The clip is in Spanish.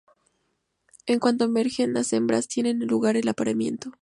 En cuanto emergen las hembras tiene lugar el apareamiento.